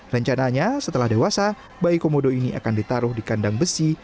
rencananya setelah dewasa bayi komodo ini akan ditaruh di kandang besi